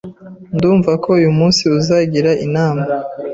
Ndumva ko uyu munsi uzagira inama.